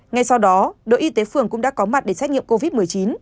ngay sau đó đội y tế phường cũng đã có mặt để xét nghiệm covid một mươi chín